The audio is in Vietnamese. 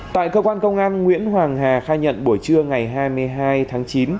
tại cơ quan công an nguyễn hoàng hà khai nhận buổi trưa ngày hai mươi hai tháng chín